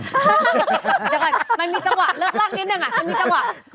เดี๋ยวก่อนมันมีจังหวะเลิกล่างนิดหนึ่ง